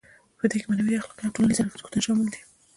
په دې کې معنوي، اخلاقي او ټولنیز ارزښتونه شامل دي.